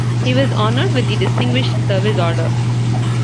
He was honoured with the Distinguished Service Order.